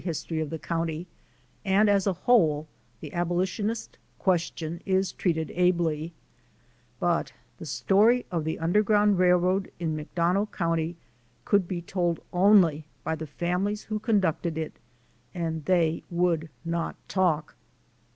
history of the county, and as a whole the abolitionist question is treated ably, but the story of the Underground Eailroad in McDonough county could be told only by the families who conducted it and they would not talk.